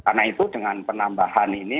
karena itu dengan penambahan ini